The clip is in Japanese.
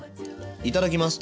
いただきます。